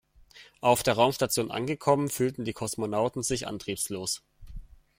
Auf der Raumstation angekommen fühlten die Kosmonauten sich antriebslos.